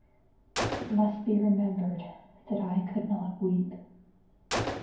It must be remembered that I could not weep.